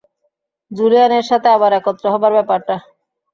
জুলিয়ানের সাথে আবার একত্র হবার ব্যাপারটা।